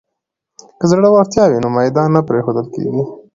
که زړورتیا وي نو میدان نه پریښودل کیږي.